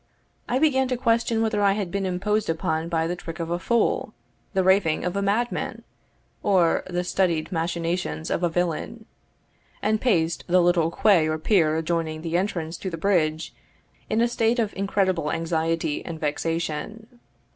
I began to question whether I had been imposed upon by the trick of a fool, the raving of a madman, or the studied machinations of a villain, and paced the little quay or pier adjoining the entrance to the bridge, in a state of incredible anxiety and vexation.